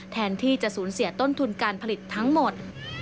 แทนที่จะสูญเสียต้นทุนการผลิตทั้งหมด